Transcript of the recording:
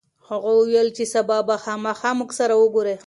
هغه وویل چې سبا به خامخا موږ سره وګوري.